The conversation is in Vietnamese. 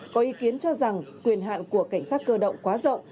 có ý kiến cho rằng quyền hạn của cảnh sát cơ động quá rộng